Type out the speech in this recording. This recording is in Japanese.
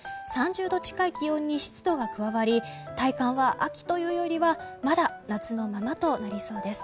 ３０度近い気温に湿度が加わり体感は秋というよりはまだ夏のままとなりそうです。